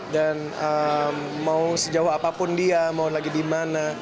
dan mau sejauh apapun dia mau lagi di mana